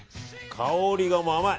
香りがもう甘い！